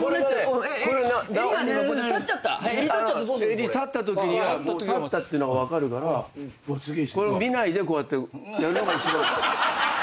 襟立ったときには立ったっていうのが分かるからこれを見ないでやるのが一番。